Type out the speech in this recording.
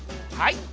はい。